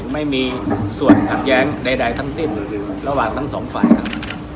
ไม่มีส่วนขัดแย้งใดทั้งสิ้นระหว่างทั้งสองฝ่ายครับ